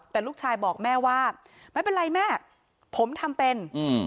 แต่ลูกชายบอกแม่ว่าไม่เป็นไรแม่ผมทำเป็นอืม